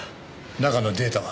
中のデータは？